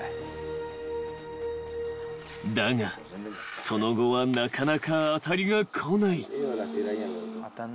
［だがその後はなかなか当たりが来ない］